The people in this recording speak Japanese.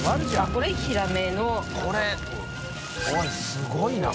すごいな！